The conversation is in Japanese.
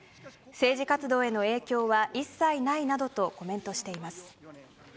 政治活動への影響は一切ないなどとコメントしています。